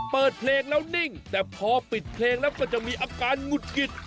เปิดเพลงแล้วนิ่งแต่พอปิดเพลงแล้วก็จะมีอาการหงุดหงิด